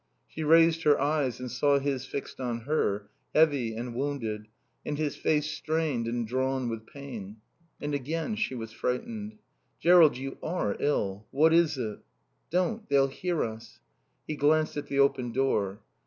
She raised her eyes and saw his fixed on her, heavy and wounded, and his face strained and drawn with pain. And again she was frightened. "Jerrold, you are ill. What is it?" "Don't. They'll hear us." He glanced at the open door.